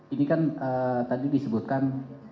ini kan tadi disebutkan